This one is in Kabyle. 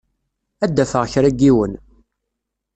Ad d-afeɣ kra n yiwen.